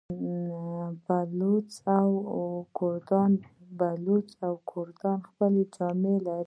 بلوڅان او کردان خپلې جامې لري.